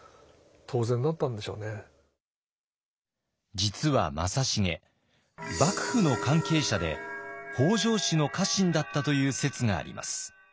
実は正成幕府の関係者で北条氏の家臣だったという説があります。